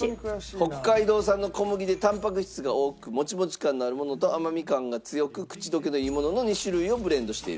北海道産の小麦でタンパク質が多くもちもち感のあるものと甘み感が強く口溶けのいいものの２種類をブレンドしている。